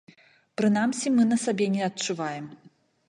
Прынамсі, мы на сабе не адчуваем.